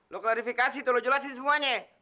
lo klarifikasi tuh lo jelasin semuanya